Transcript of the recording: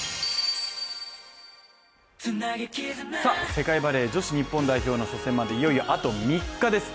世界バレー女子日本代表の初戦まで、いよいよ、あと３日です。